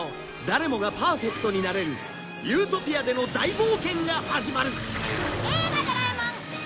誰もがパーフェクトになれるユートピアでの大冒険が始まる